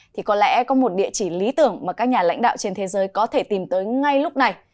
thì có lẽ có một địa chỉ lý tưởng mà các nhà lãnh đạo trên thế giới có thể tìm tới ngay lúc này